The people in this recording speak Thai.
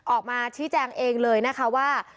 ออกมาชี้แจงเองเลยนะคะว่า